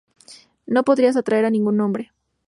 No podrías atraer a ningún hombre".